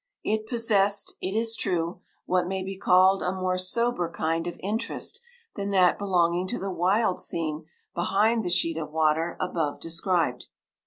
It possessed, it is true, what may be called a more sober kind of interest than that belonging to the wild scene behind the sheet of water above described.